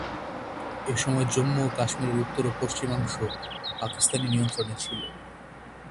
এসময় জম্মু ও কাশ্মিরের উত্তর ও পশ্চিমাংশ পাকিস্তানি নিয়ন্ত্রণে ছিল।